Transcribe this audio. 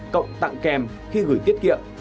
cộng tặng kèm khi gửi tiết kiệm